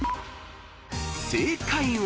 ［正解は］